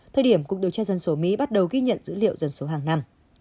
thời điểm cuộc điều tra dân số mỹ bắt đầu ghi nhận dữ liệu dân số hàng năm